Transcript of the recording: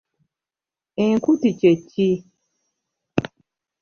Enkuti kye ki?